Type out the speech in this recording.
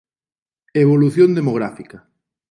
Evolución demográfica;